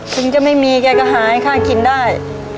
ถึงจะไม่มีแกก็หาให้ค่ากินได้